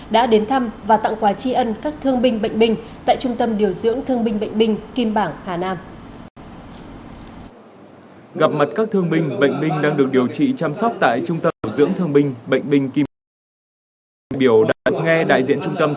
đã đến thăm và tặng quà tri ân các thương binh bệnh binh tại trung tâm điều dưỡng thương binh bệnh binh kim bảng hà nam